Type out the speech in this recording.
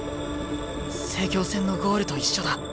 成京戦のゴールと一緒だ。